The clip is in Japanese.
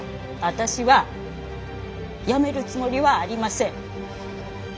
私は辞めるつもりはありません。